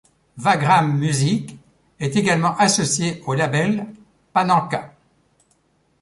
Wagram Music est également associée au label Panenka.